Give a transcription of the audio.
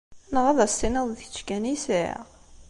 Neɣ ad as-tini d kečč kan i sɛiɣ?